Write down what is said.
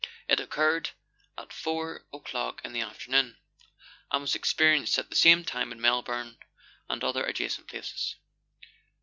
It occurred at four o'clock in the afternoon, and was experienced at the same time in Melbourne and other adjacent places.